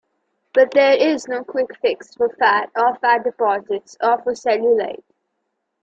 But there is no quick fix for fat or fat deposits or for cellulite.